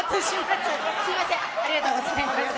すみません、ありがとうございます。